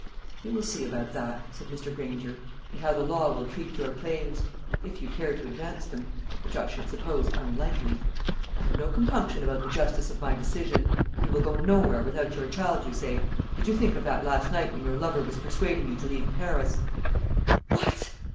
"We will see about that," said Mr. Granger, "and how the law will treat your claims; if you care to advance them which I should suppose unlikely. I have no compunction about the justice of my decision. You will go nowhere without your child, you say? Did you think of that last night when your lover was persuading you to leave Paris?" "What!"